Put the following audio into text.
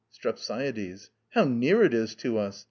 STREPSIADES. How near it is to us!